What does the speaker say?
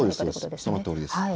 そのとおりです。